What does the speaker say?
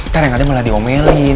terenggannya malah diomelin